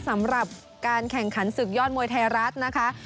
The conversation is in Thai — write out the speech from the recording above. สำหรับการแข่งขันศึกยอดมวยไทยรัฐนะคะ